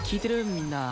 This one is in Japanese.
みんな。